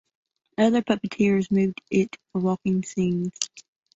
Other puppeteers moved it for walking scenes.